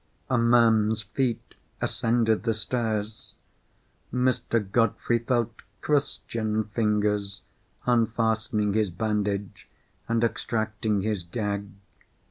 A man's feet ascended the stairs. Mr. Godfrey felt Christian fingers unfastening his bandage, and extracting his gag.